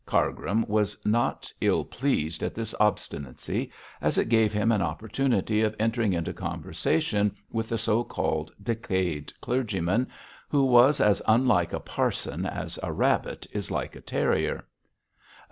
Cargrim was not ill pleased at this obstinacy, as it gave him an opportunity of entering into conversation with the so called decayed clergyman, who was as unlike a parson as a rabbit is like a terrier.